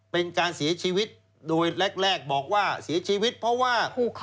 เป็นการเสียชีวิตโดยแรกบอกว่าเสียชีวิตเพราะว่า